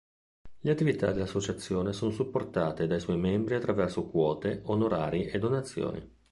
Le attività dell'Associazione sono supportate dai suoi membri attraverso quote, onorari e donazioni.